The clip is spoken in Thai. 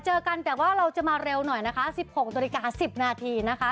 เจอกันแต่ว่าเราจะมาเร็วหน่อยนะคะ๑๖นาฬิกา๑๐นาทีนะคะ